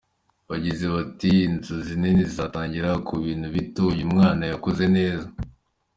Bagize bati “Inzozi nini zitangirira ku bintu bito… uyu mwana yakoze neza!”.